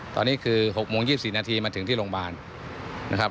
ตอนนี้คือ๖โมง๒๔นาทีมาถึงที่โรงพยาบาลนะครับ